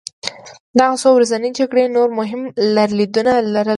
دغه څو ورځنۍ جګړې نور مهم لرلېدونه لرل.